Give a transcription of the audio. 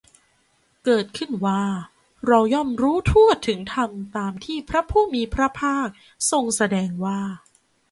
เกิดขึ้นว่า เราย่อมรู้ทั่วถึงธรรมตามที่พระผู้มีพระภาคทรงแสดงว่า